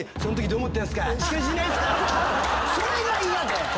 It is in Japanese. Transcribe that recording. それが嫌で。